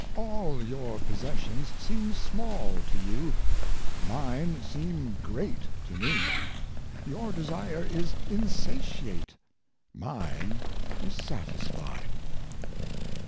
All your possessions seem small to you; mine seem great to me. Your desire is insatiate — mine is satisfied."